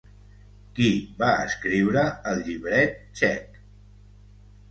Qui va escriure el llibret txec?